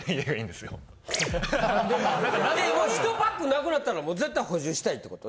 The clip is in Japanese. １パックなくなったら絶対補充したいってこと？